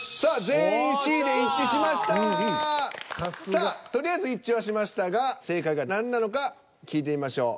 さあとりあえず一致はしましたが正解が何なのか聞いてみましょう。